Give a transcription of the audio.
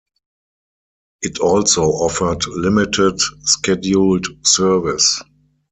It also offered limited scheduled service.